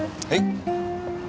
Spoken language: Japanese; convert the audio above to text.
はい。